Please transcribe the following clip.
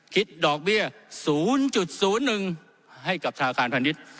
คิดดอกเบี้ยศูนย์จุดศูนย์หนึ่งให้กับอาคารพาณิชย์